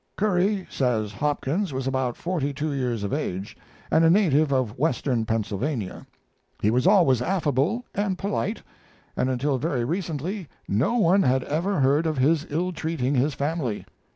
Curry says Hopkins was about forty two years of age, and a native of western Pennsylvania; he was always affable and polite, and until very recently no one had ever heard of his ill treating his family.